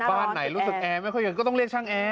บ้านไหนรู้สึกแอร์ไม่ค่อยหยุดก็ต้องเรียกช่างแอร์